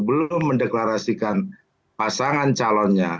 belum mendeklarasikan pasangan calonnya